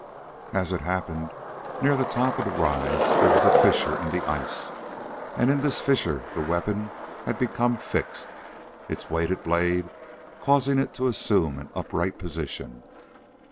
As it happened, near the top of the rise there was a fissure in the ice, and in this fissure the weapon had become fixed, its weighted blade causing it to assume an upright position.